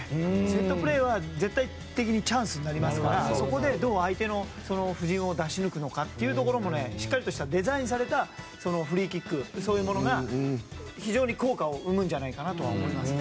セットプレーは絶対的にチャンスになりますからそこで、どう相手の布陣を出し抜くのかもしっかりとしたデザインされたフリーキックそういうものが、非常に効果を生むんじゃないかと思います。